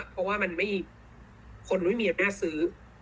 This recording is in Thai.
เพราะว่าคนไม่มีอำนาจซื้อ